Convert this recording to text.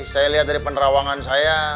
saya lihat dari penerawangan saya